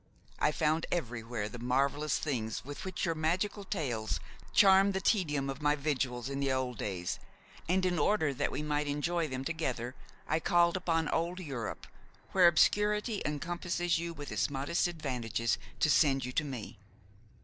I found everywhere the marvellous things with which your magical tales charmed the tedium of my vigils in the old days, and, in order that we might enjoy them together, I called upon old Europe, where obscurity encompasses you with its modest advantages, to send you to me.